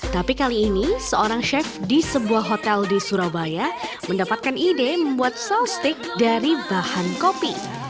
tapi kali ini seorang chef di sebuah hotel di surabaya mendapatkan ide membuat saus steak dari bahan kopi